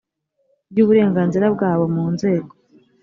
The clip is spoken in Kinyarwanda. ry uburenganzira bwabo mu nzego